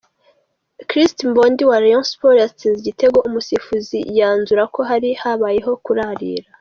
Christ Mbondi wa Rayon Sports yatsinze igitego, umusifuzi yanzura ko hari habayeho kurarira.